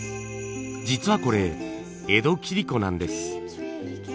実はこれ江戸切子なんです。